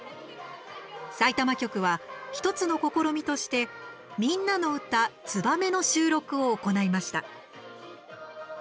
さいたま局は、１つの試みとしてみんなのうた「ツバメ」の収録を行いました。